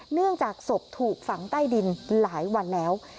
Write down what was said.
เนื่องจากศพถูกฝังใต้ดินหลายวันแล้ว